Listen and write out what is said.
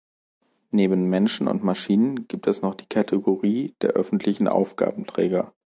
Neben Menschen und Maschinen gibt es noch die Kategorie der "öffentlichen Aufgabenträger".